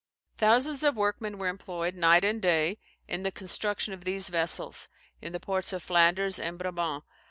Thousands of workmen were employed, night and day, in the construction of these vessels, in the ports of Flanders and Brabant.